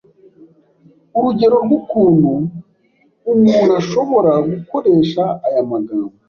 Urugero rw’ukuntu umuntu ashobora gukoresha aya magambo